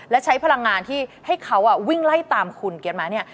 และใช้พลังงานที่ให้เขาวิ่งไล่ตามคุณกันมาเนี่ย